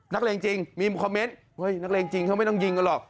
นักเร่งจริงมีคอมเม้นท์นักเร่งจริงเขาไม่ต้องยิงกันหรอก